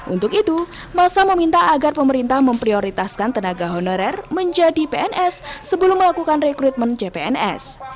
untuk itu masa meminta agar pemerintah memprioritaskan tenaga honorer menjadi pns sebelum melakukan rekrutmen cpns